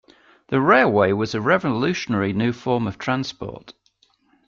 The railway was a revolutionary new form of transport.